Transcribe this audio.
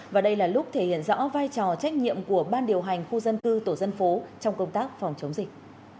và đây là lúc thể hiện rõ vai trò trách nhiệm của ban điều hành khu dân cư tổ dân phố trong công tác phòng chống dịch